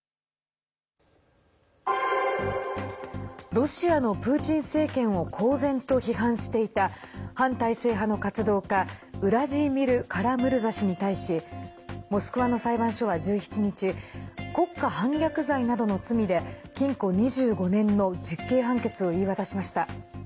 ロシアのプーチン政権を公然と批判していた反体制派の活動家ウラジーミル・カラムルザ氏に対しモスクワの裁判所は１７日国家反逆罪などの罪で禁錮２５年の実刑判決を言い渡しました。